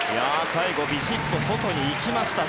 最後、ビシッと外に行きました